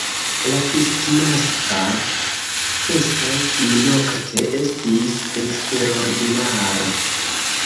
La Kristnaska festo tiunokte estis eksterordinara.